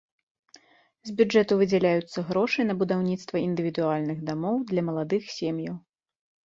З бюджэту выдзяляюцца грошы на будаўніцтва індывідуальных дамоў для маладых сем'яў.